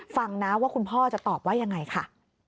ฟังนะว่าคุณพ่อจะตอบว่ายังไงค่ะ